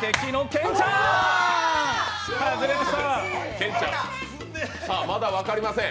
健ちゃん、まだ分かりません